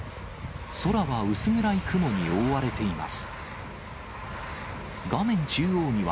空は薄暗い雲に覆われています。